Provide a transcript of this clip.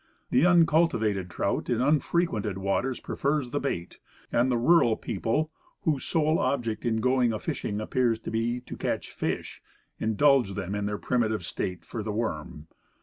The uncultivated trout in unfrequented waters prefers the bait; and the rural people, whose sole object in going a fishing appears to be to catch fish, indulge them in their primitive taste for the worm.